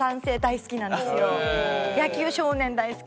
野球少年大好き。